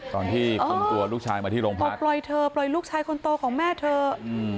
ตอนที่คุมตัวลูกชายมาที่โรงพักบอกปล่อยเธอปล่อยลูกชายคนโตของแม่เถอะ